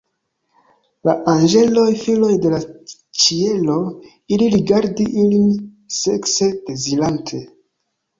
La anĝeloj, filoj de la ĉielo, ili rigardi ilin sekse dezirante.